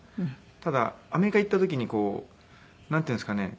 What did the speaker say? ただアメリカ行った時にこうなんていうんですかね